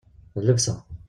D llebsa.